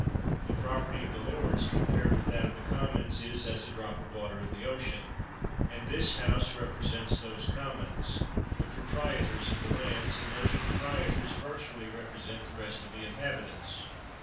The property of the lords, compared with that of the Commons, is as a drop of water in the ocean; and this House represents those Commons, the proprietors of the lands ; and those proprietors virtually represent the rest of the inhabitants.